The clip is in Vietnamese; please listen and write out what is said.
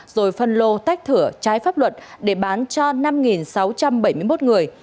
rồi phân lô tách thửa trái pháp luật để bán cho năm sáu trăm bảy mươi một người